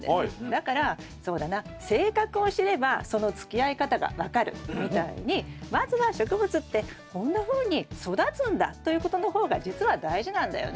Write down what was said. だからそうだな性格を知ればそのつきあい方が分かるみたいにまずは植物ってこんなふうに育つんだということの方が実は大事なんだよね。